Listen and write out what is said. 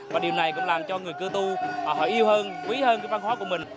và điều này cũng làm cho người cơ tu họ họ yêu hơn quý hơn cái văn hóa của mình